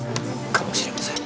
かもしれません。